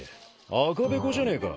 赤べこじゃねえか。